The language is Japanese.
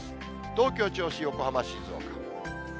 東京、銚子、横浜、静岡。